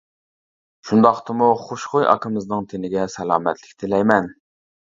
شۇنداقتىمۇ خۇشخۇي ئاكىمىزنىڭ تېنىگە سالامەتلىك تىلەيمەن.